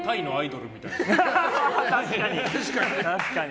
確かに！